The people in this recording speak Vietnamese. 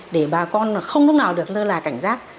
để bà con không lúc nào được lơ là cảnh giác